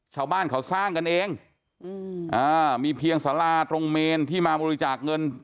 ชาวบ้านเขาสร้างกันเองอืมอ่ามีเพียงสาราตรงเมนที่มาบริจาคเงิน